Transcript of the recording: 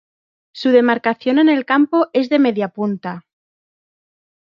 Su demarcación en el campo es de media punta.